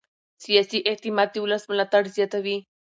سیاسي اعتماد د ولس ملاتړ زیاتوي